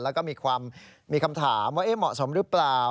แล้วก็มีคำถามว่าเหมาะสมหรือเปล่า